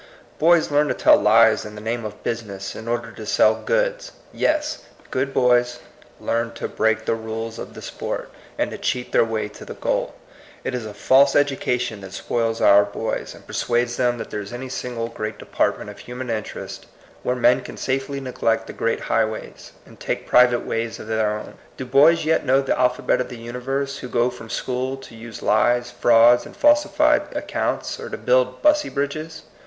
Boys learn to tell lies in the name of business in order to sell goods. Yes I Good boys learn to break the rules of the sport, and to cheat their way to the goal. It is a false education that spoils our boys, and persuades them 8HOBT CUTS TO SUCCESS. 86 that there is any single great department of human interest where men can safely neglect the great highways, and take pri vate ways of their own. Do boys yet know the alphabet of the universe who go from school to use lies, frauds, and falsi fied accounts, or to build Bussey Bridges